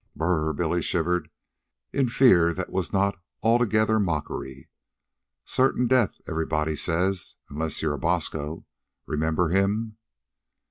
"Br r r r," Billy shivered, in fear that was not altogether mockery. "Certain death, everybody says, unless you're a Bosco. Remember him?"